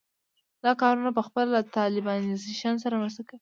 دا کارونه پخپله له طالبانیزېشن سره مرسته کوي.